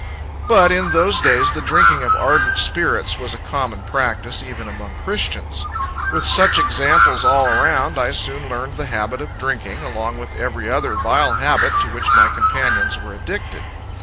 But, in those days, the drinking of ardent spirits was a common practice, even among christians. With such examples all around, I soon learned the habit of drinking, along with every other vile habit to which my companions were addicted.